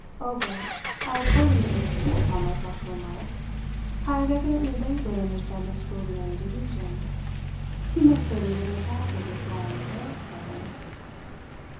"Obert," I accordingly took upon myself to remark, "had evidently laboured under some extraordinary delusion. He must literally have doubted if Long was clever."